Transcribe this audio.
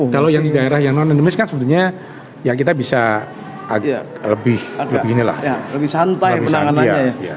kalau yang di daerah yang non endemis kan sebetulnya ya kita bisa lebih inilah penanganannya